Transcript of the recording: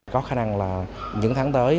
có khả năng là những tháng tới